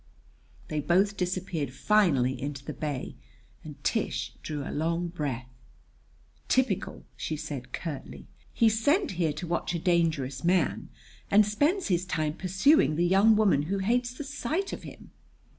They both disappeared finally into the bay and Tish drew a long breath. "Typical!" she said curtly. "He's sent here to watch a dangerous man and spends his time pursuing the young woman who hates the sight of him.